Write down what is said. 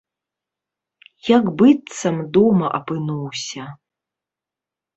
Як быццам дома апынуўся.